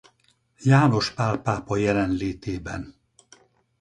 János Pál pápa jelenlétében.